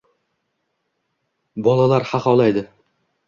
Bolalar xaxolaydi.